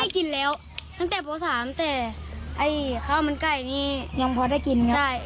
ข้าวมันไก่นี่ยังพอได้กิน